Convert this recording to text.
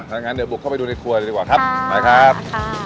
ถ้างั้นเดี๋ยวบุกเข้าไปดูในครัวเลยดีกว่าครับมาครับ